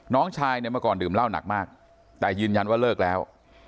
น้องชายเนี่ยเมื่อก่อนดื่มเหล้าหนักมากแต่ยืนยันว่าเลิกแล้ว